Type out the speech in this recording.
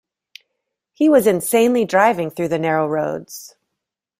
He was insanely driving through the narrow roads.